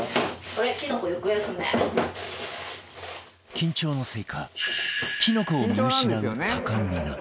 緊張のせいかキノコを見失うたかみな